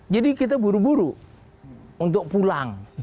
jadi kita buru buru untuk pulang